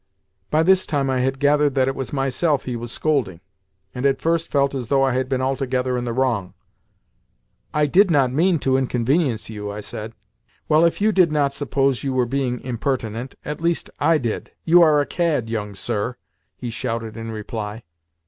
By this time I had gathered that it was myself he was scolding, and at first felt as though I had been altogether in the wrong. "I did not mean to inconvenience you," I said. "Well, if you did not suppose you were being impertinent, at least I did! You are a cad, young sir!" he shouted in reply.